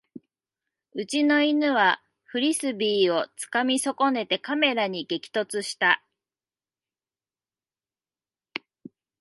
うちの犬はフリスビーをつかみ損ねてカメラに激突した